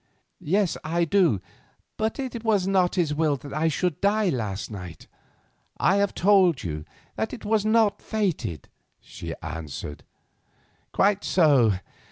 "Yes, I do, but it was not His will that I should die last night. I have told you that it was not fated," she answered. "Quite so.